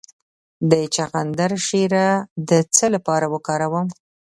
د چغندر شیره د څه لپاره وکاروم؟